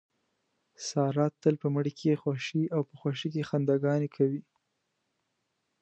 ساره تل په مړي کې خوښي او په خوښۍ کې خندا ګانې کوي.